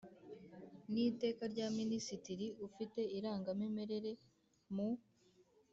n Iteka rya Minisitiri ufite irangamimerere mu